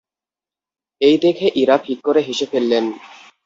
এই দেখে ইরা ফিক করে হেসে ফেললেন।